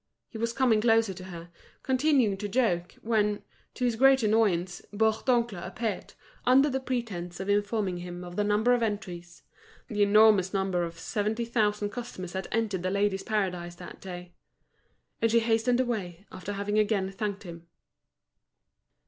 He was coming closer to her, continuing to joke, when, to his great annoyance, Bourdoncle appeared, under the pretence of informing him of the number of entries—the enormous number of seventy thousand customers had entered The Ladies' Paradise that day. And she hastened away, after having again thanked him.